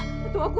jangan sentuh aku